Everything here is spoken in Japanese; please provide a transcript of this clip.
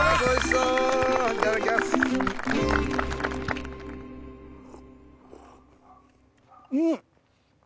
うん！